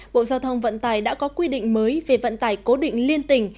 bộ giao thông vận tải đã có quy định mới về vận tải cố định liên tỉnh